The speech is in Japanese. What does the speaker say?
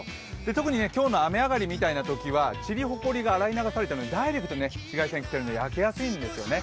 特に今日の雨上がりみたいなときにはちり、ほこりが洗い流されてダイレクトに紫外線が来ているので、焼けやすいんですよね。